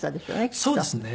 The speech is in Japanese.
そうですね。